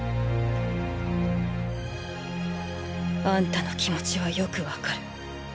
あんたの気持ちはよくわかる。